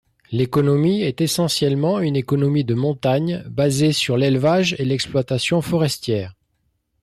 L'économie est essentiellement une économie de montagne basée sur l'élevage et exploitation forestière.